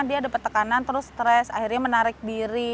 dia ada petekanan terus stres akhirnya menarik diri